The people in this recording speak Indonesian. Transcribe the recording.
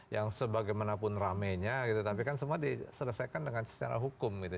yang sebagaimanapun ramenya gitu tapi kan semua diselesaikan dengan secara hukum gitu